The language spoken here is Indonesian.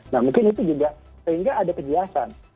nah mungkin itu juga sehingga ada kejelasan